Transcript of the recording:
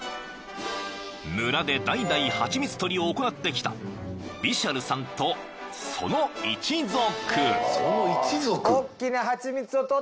［村で代々ハチミツ採りを行ってきたビシャルさんとその一族］